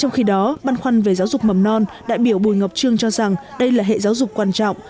trong khi đó băn khoăn về giáo dục mầm non đại biểu bùi ngọc trương cho rằng đây là hệ giáo dục quan trọng